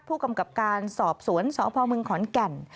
ผู้กำกับการสอบสวนสพมขอนแก่น